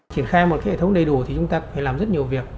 triển khai một hệ thống đầy đủ thì chúng ta phải làm rất nhiều việc